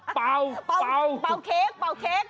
เป่าเป่าเค้กเป่าเค้ก